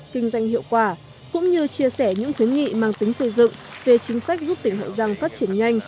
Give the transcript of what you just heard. kinh doanh hiệu quả cũng như chia sẻ những khuyến nghị mang tính xây dựng về chính sách giúp tỉnh hậu giang phát triển nhanh